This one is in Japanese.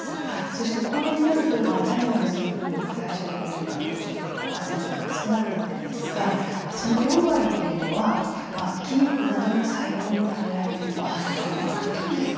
そして高齢になると体内の水分量が体重の５０から５５％と少なくなっているんですがその４割というのは筋肉などの細胞にためられているということなんですね。